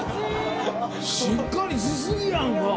しっかりし過ぎやんか。